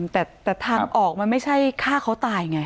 แต่ทางออกมันไม่ใช่ฆ่าเขาตายไง